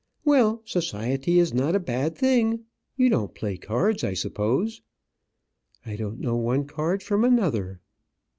"Well, society is not a bad thing. You don't play cards, I suppose?" "I don't know one card from another."